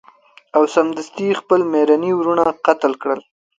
او سمدستي یې خپل میرني وروڼه قتل کړل.